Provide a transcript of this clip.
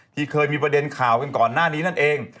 ที่เคยมีประเด็นข่าวกันก่อนหน้านี้นั่นเอง